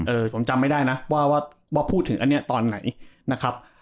ผมจำไม่ได้นะว่าว่าพูดถึงอันนี้ตอนไหนนะครับ